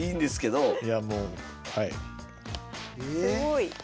すごい。